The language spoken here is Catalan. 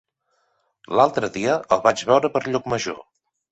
L'altre dia el vaig veure per Llucmajor.